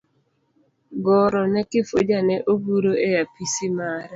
Goro no Kifuja ne oguro e apisi mare.